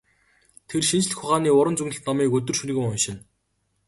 Тэр шинжлэх ухааны уран зөгнөлт номыг өдөр шөнөгүй уншина.